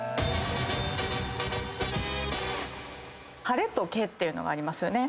ハレとケっていうのがありますよね